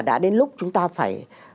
đã đến lúc chúng ta phải